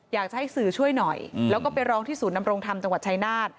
อยากจะให้สื่อช่วยหน่อยแล้วก็ไปร้องที่ศูนย์นำรงธรรมจังหวัดชายนาฏ